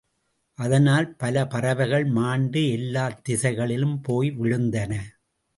அதனால் பல பறவைகள் மாண்டு எல்லாத் திசைகளிலும் போய் விழுந்தன.